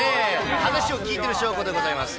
話を聞いてる証拠でございます。